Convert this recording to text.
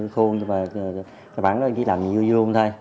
nhưng mà bản nó chỉ làm như vô vô thôi